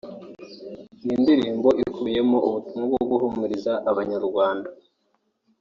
”Ni indirimbo ikubiyemo ubutumwa bwo guhumuriza abanyarwanda